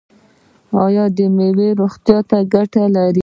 ایا میوه روغتیا ته ګټه لري؟